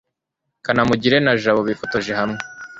kanamugire na jabo bifotoje hamwe